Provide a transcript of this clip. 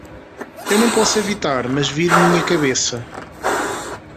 Eu não posso evitar, mas viro minha cabeça.